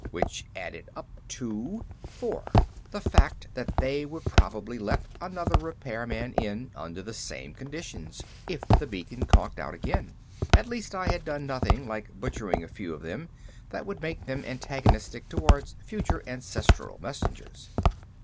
Which added up to Four: The fact that they would probably let another repairman in, under the same conditions, if the beacon conked out again. At least I had done nothing, like butchering a few of them, that would make them antagonistic toward future ancestral messengers.